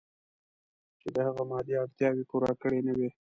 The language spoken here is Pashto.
چې د هغه مادي اړتیاوې پوره کړې نه وي.